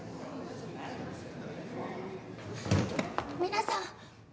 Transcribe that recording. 皆さん！